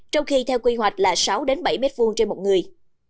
trong khi theo quy hoạch là sáu bảy m hai trên một người